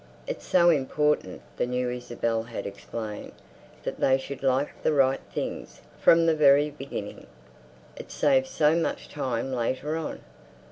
"It's so important," the new Isabel had explained, "that they should like the right things from the very beginning. It saves so much time later on.